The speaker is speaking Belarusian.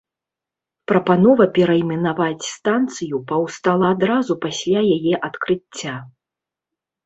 Прапанова перайменаваць станцыю паўстала адразу пасля яе адкрыцця.